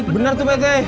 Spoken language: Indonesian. bener tuh pak rt